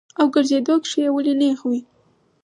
او ګرځېدو کښې ئې ولي نېغ وي -